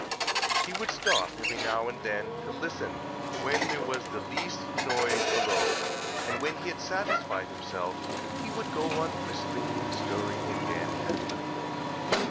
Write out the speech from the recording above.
He would stop every now and then to listen when there was the least noise below: and when he had satisfied himself, he would go on whistling and stirring again, as before.